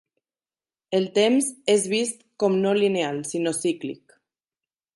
El temps és vist com no lineal sinó cíclic.